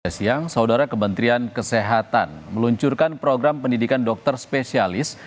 siang saudara kementerian kesehatan meluncurkan program pendidikan dokter spesialis